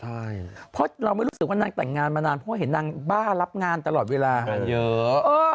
ไม่รู้สึกจนดูว่านางนางแต่งงานมานานเพราะเห็นนางนางบ้ารับงานตลอดเวลาง